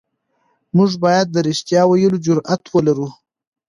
موږ بايد د رښتيا ويلو جرئت ولرو.